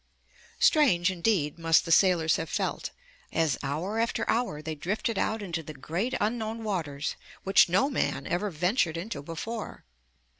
Strange, indeed, must the sailors have felt, as hour after hour they drifted out into the great unknown waters, which no man ever ventured into before.